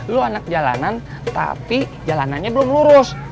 lu anak jalanan tapi jalanannya belum lurus